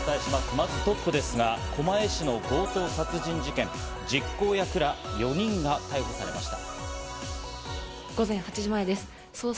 まずトップですが、狛江市の強盗殺人事件、実行役ら、４人が逮捕されました。